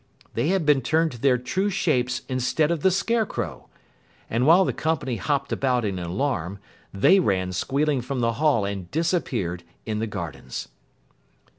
They had been turned to their true shapes instead of the Scarecrow. And while the company hopped about in alarm, they ran squealing from the hall and disappeared in the gardens.